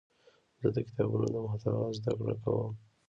زه د کتابونو د محتوا زده کړه کوم.